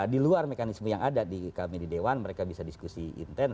di luar mekanisme yang ada di kami di dewan mereka bisa diskusi intens